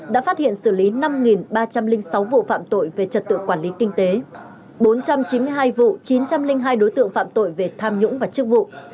đã phát hiện xử lý năm ba trăm linh sáu vụ phạm tội về trật tự quản lý kinh tế bốn trăm chín mươi hai vụ chín trăm linh hai đối tượng phạm tội về tham nhũng và chức vụ